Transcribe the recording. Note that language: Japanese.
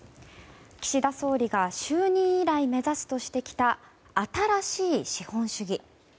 岸田総理が就任以来、目指すとしてきた新しい資本主義。